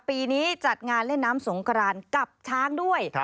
ปีนี้จัดงานเล่นน้ำสงกรานกับช้างด้วย